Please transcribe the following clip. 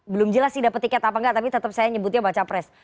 belum jelas sih dapet tiket apa enggak tapi tetap saya nyebutnya baca pres